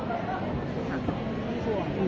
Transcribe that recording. เวลาแรกพี่เห็นแวว